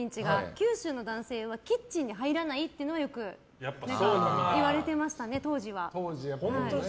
九州の男性はキッチンに入らないというのはよく言われてましたね当時は。